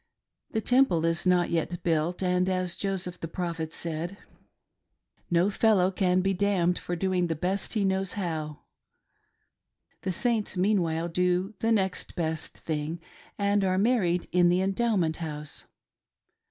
The Temple is not yet built, and as Joseph, the Prophet said, " No fellow c^n be damned for doing the best he knows how," the Saints meanwhile do "the next best thing," and are married in the Endowment House.